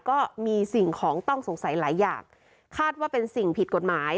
ก็มีสิ่งของต้องสงสัยหลายอย่างคาดว่าเป็นสิ่งผิดกฎหมาย